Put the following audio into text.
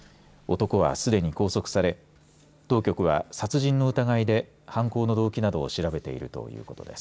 男はすでに拘束され当局は殺人の疑いで犯行の動機などを調べているということです。